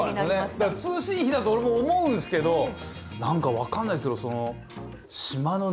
だから通信費だと俺も思うんですけど何か分かんないですけど。